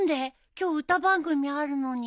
今日歌番組あるのに。